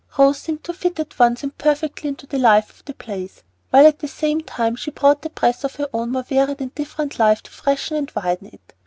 Rose seemed to fit at once and perfectly into the life of the place, while at the same time she brought the breath of her own more varied and different life to freshen and widen it.